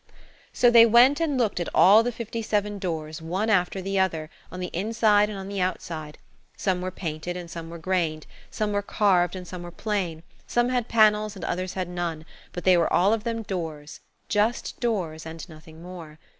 So they went and looked at all the fifty seven doors, one after the other, on the inside and on the outside; some were painted and some were grained, some were carved and some were plain, some had panels and others had none, but they were all of them doors–just doors, and nothing more.